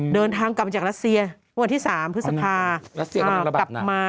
เดินทางกลับจากรัสเซียวันที่๓พฤษภา